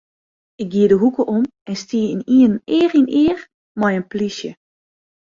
Ik gie de hoeke om en stie ynienen each yn each mei in polysje.